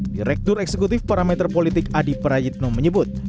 direktur eksekutif parameter politik adi prayitno menyebut